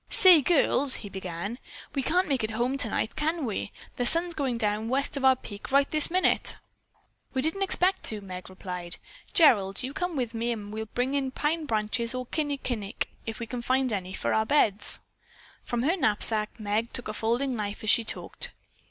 "Say, girls," he began, "we can't make it home tonight, can we? The sun's going down west of our peak right this minute." "We didn't expect to," Meg replied. "Gerald, you come with me and we will bring in pine branches or kinnikinick, if we can find any, for our beds." From her knapsack Meg took a folding knife as she talked.